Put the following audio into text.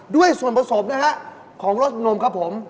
ด้วยส่วนผสมนะฮะของรสนมครับผม